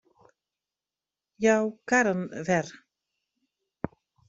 Jou karren wer.